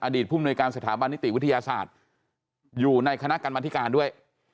ผู้มนุยการสถาบันนิติวิทยาศาสตร์อยู่ในคณะกรรมธิการด้วย